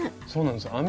そうなんです